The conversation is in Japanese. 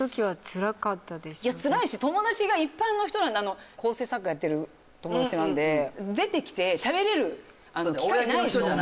つらかったし、友達が一般の人、構成作家やってる友達なんで出てきてしゃべれる機会ないでしょう。